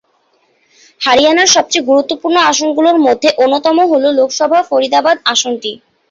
হরিয়ানার সবচেয়ে গুরুত্বপূর্ণ আসনগুলির মধ্যে অন্যতম হল লোকসভা ফরিদাবাদ আসনটি।